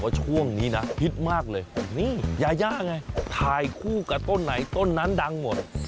ช่วงนี้นะฮิตมากเลยนี่ยาย่าไงถ่ายคู่กับต้นไหนต้นนั้นดังหมด